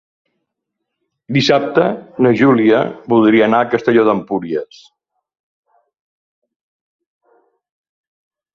Dissabte na Júlia voldria anar a Castelló d'Empúries.